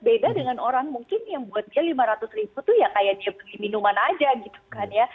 beda dengan orang mungkin yang buat dia lima ratus ribu tuh ya kayak dia beli minuman aja gitu kan ya